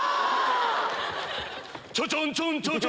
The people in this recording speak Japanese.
ちょちょんちょんちょちょん